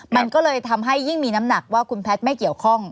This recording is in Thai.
มันก็เลยทำให้ยิ่งมีน้ำหนักว่าคุณแพทย์ไม่เกี่ยวข้อง